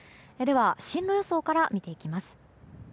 進路予想から見ていきます。